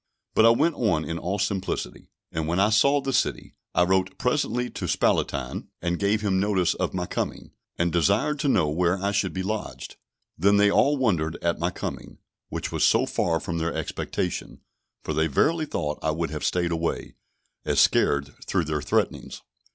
But I went on in all simplicity, and when I saw the city, I wrote presently to Spalatine, and gave him notice of my coming, and desired to know where I should be lodged. Then they all wondered at my coming, which was so far from their expectation; for they verily thought I would have stayed away, as scared through their threatenings.